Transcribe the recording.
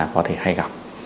có thể hay gặp